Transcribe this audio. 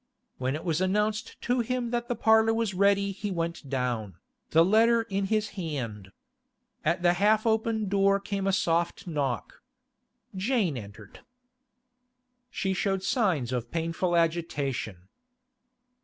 When it was announced to him that the parlour was ready he went down, the letter in his hand. At the half open door came a soft knock. Jane entered. She showed signs of painful agitation.